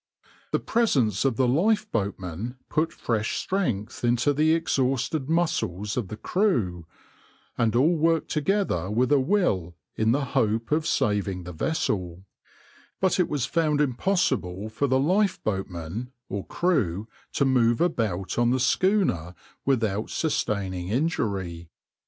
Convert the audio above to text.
The presence of the lifeboatmen put fresh strength into the exhausted muscles of the crew, and all worked together with a will in the hope of saving the vessel; but it was found impossible for lifeboatmen or crew to move about on the schooner without sustaining injury.